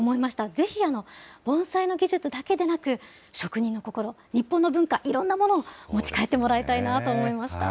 ぜひ盆栽の技術だけでなく、職人の心、日本の文化、いろんなものを持ち帰ってもらいたいなと思いました。